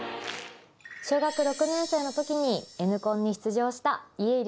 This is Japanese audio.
小学６年生の時にＮコンに出場した家入レオです。